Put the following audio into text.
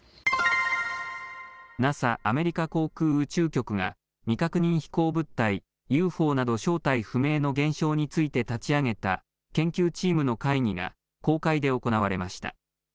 ＮＡＳＡ・アメリカ航空宇宙局が未確認飛行物体・ＵＦＯなど正体不明の現象について立ち上げた研究チームの会議が公開で行われました。